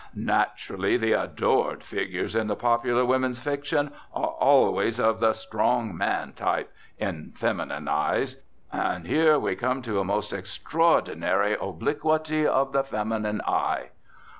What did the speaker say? Naturally, the adored figures in the popular women's fiction are always of the 'strong man' type, in feminine eyes. And here we come to a most extraordinary obliquity of the feminine eye.